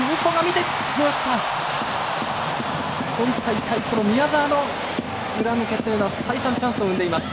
今大会、宮澤の裏抜けというのは再三、チャンスを生んでいます。